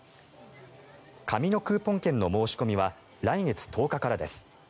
紙のクーポン券の申し込みは来月１０日からです。